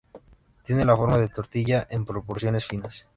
Tienen la forma de tortilla en proporciones finas.